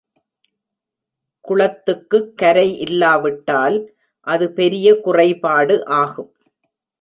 குளத்துக்குக் கரை இல்லாவிட்டால் அது பெரிய குறைபாடு ஆகும்.